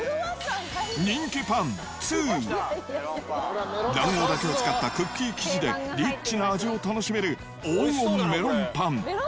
人気パン２、卵黄だけを使ったクッキー生地で、リッチな味を楽しめる黄金メロンパン。